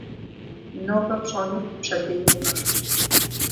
Нобэ пщӏэнур пщэдей умыхь.